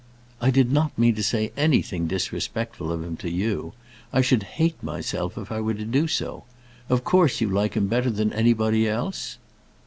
"I did not mean to say anything disrespectful of him to you. I should hate myself if I were to do so. Of course you like him better than anybody else?"